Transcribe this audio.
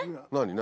何？